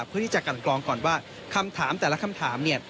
เพื่อที่จะกันกรองก่อนว่าคำถามแต่ละคำถามเนี่ย